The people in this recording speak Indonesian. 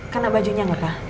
kan ada bajunya gak pak